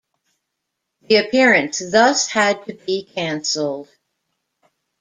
The appearance thus had to be cancelled.